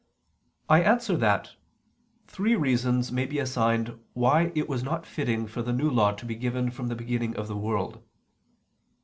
I answer that, Three reasons may be assigned why it was not fitting for the New Law to be given from the beginning of the world.